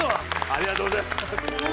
ありがとうございます。